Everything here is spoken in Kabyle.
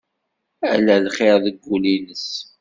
Ala lxir deg wul-ines.